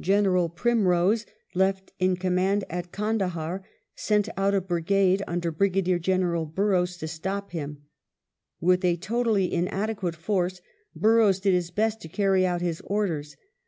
General Primrose, left in command at Kandahar, sent out a brigade under Brigadier General Burrows to ; stop him. With a totally inadequate force Burrows did his best _ to carry out his orders.